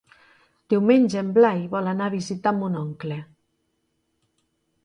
Diumenge en Blai vol anar a visitar mon oncle.